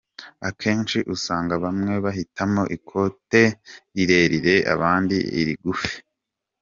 Akenshi usanga bamwe bahitamo ikote rirerire, abandi irigufi.